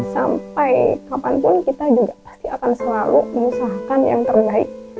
sampai kapanpun kita juga pasti akan selalu mengusahakan yang terbaik